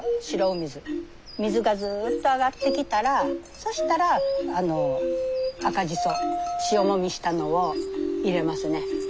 水がずっと上がってきたらそしたら赤じそ塩もみしたのを入れますね。